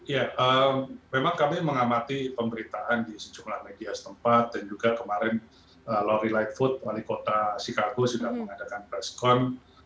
ya memang kami mengamati pemberitaan di sejumlah media setempat dan juga kemarin lory light food wali kota chicago sudah mengadakan presscon